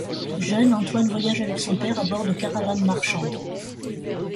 Jeune, Antoine voyage avec son père à bord de caravanes marchandes.